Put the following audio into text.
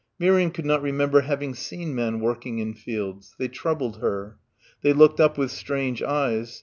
Miriam could not remember having seen men working in fields. They troubled her. They looked up with strange eyes.